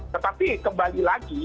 tetapi kembali lagi